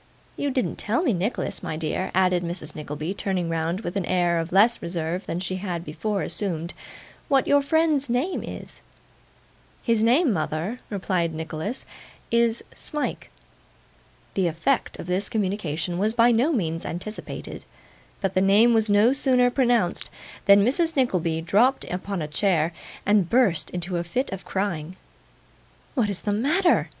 You didn't tell me, Nicholas, my dear,' added Mrs. Nickleby, turning round with an air of less reserve than she had before assumed, 'what your friend's name is.' 'His name, mother,' replied Nicholas, 'is Smike.' The effect of this communication was by no means anticipated; but the name was no sooner pronounced, than Mrs. Nickleby dropped upon a chair, and burst into a fit of crying. 'What is the matter?